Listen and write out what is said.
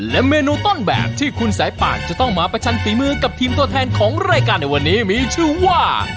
และเมนูต้นแบบที่คุณสายป่านจะต้องมาประชันฝีมือกับทีมตัวแทนของรายการในวันนี้มีชื่อว่า